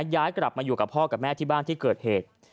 ย้ายกลับมาอยู่กับพ่อกับแม่ที่บ้านที่เกิดเหตุ